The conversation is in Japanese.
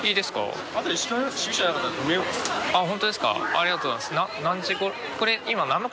ありがとうございます。